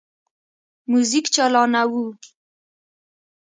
موزیک چالانه وو.